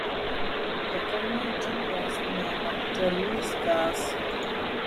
The community was named after Lewis Cass.